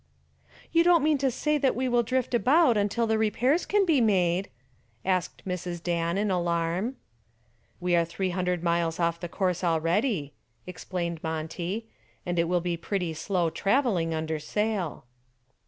"You don't mean to say that we will drift about until the repairs can be made?" asked Mrs. Dan in alarm. "We are three hundred miles off the course already," explained Monty, "and it will be pretty slow traveling under sail."